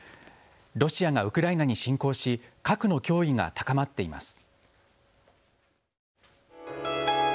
ロシアがウクライナに侵攻し核の脅威が高まっています。